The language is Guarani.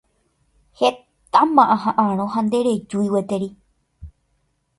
Hetáma aha'ãrõ ha nderejúi gueteri.